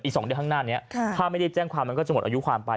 ๒เดือนข้างหน้านี้ถ้าไม่ได้แจ้งความมันก็จะหมดอายุความไป